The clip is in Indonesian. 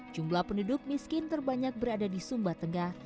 jumlah penduduk miskin terbanyak berada di sumba tengah